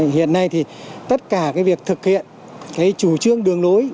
hiện nay thì tất cả việc thực hiện cái chủ trương đường lối